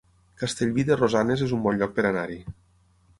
Castellví de Rosanes es un bon lloc per anar-hi